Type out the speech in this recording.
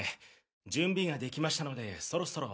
準備ができましたのでそろそろ。